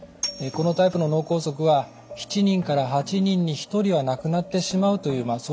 このタイプの脳梗塞は７人から８人に１人は亡くなってしまうというま